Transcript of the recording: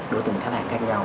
đối tượng khách hàng khác nhau